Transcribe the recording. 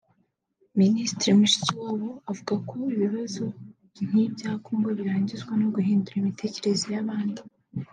Minisitiri Mushikiwabo avuga ko ibibazo nk’ibya Congo birangizwa no guhindura imitekerereze y’abandi